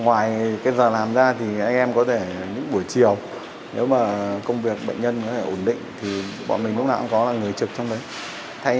ngoài cái giờ làm ra thì anh em có thể những buổi chiều nếu mà công việc bệnh nhân có thể ổn định thì bọn mình lúc nào cũng có là người trực trong đấy